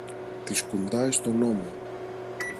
Τη σκουντάει στον ώμο